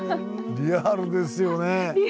リアルですね。